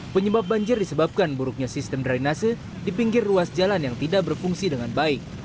penyebab banjir disebabkan buruknya sistem drainase di pinggir ruas jalan yang tidak berfungsi dengan baik